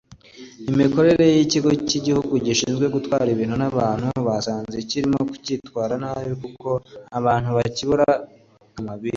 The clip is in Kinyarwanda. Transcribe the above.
imikorere y’ Ikigo cy Igihugu gishinzwe gutwara ibintu na bantu basanze kirimo kwitwara nabi kuko abantu bakibura amabisi